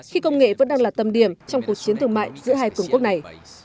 khi công nghệ vẫn đang là tâm điểm trong cuộc chiến thương mại giữa hai cường quốc này